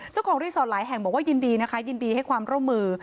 เจ้าของรีสอร์ทหลายแห่งบอกว่ายินดีนะคะยินดีให้ความร่วมมือ